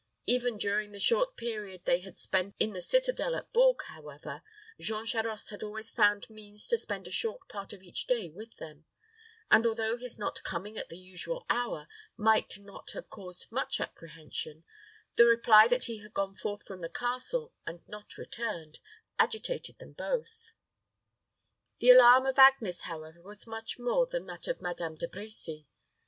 Even during the short period they had spent in the citadel of Bourges, however, Jean Charost had always found means to spend a short part of each day with them; and although his not coming at the usual hour might not have caused much apprehension, the reply that he had gone forth from the castle, and not returned, agitated them both. The alarm of Agnes, however, was much more than that of Madame De Brecy.